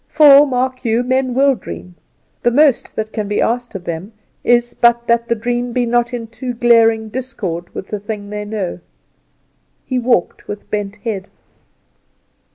For, mark you, men will dream; the most that can be asked of them is but that the dream be not in too glaring discord with the thing they know. He walked with bent head.